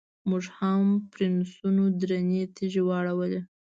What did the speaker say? موږ هم پرنسونو درنې تیږې واړولې.